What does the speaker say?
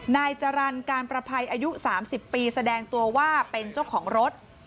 นายจรรย์การประภัยอายุ๓๐ปีแสดงตัวว่าเป็นเจ้าของรถ